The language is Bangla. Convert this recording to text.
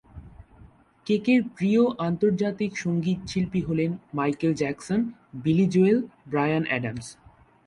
কেকের প্রিয় আন্তর্জাতিক সঙ্গীতশিল্পী হলেন Michael Jackson, Billy Joel, Bryan Adams.